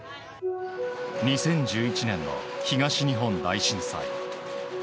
２０１１年の東日本大震災。